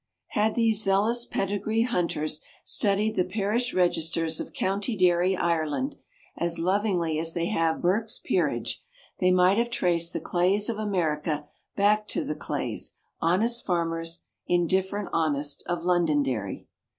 Had these zealous pedigree hunters studied the parish registers of County Derry, Ireland, as lovingly as they have Burke's Peerage, they might have traced the Clays of America back to the Cleighs, honest farmers (indifferent honest), of Londonderry.